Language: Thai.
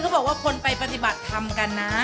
บอกว่าคนไปปฏิบัติธรรมกันนะ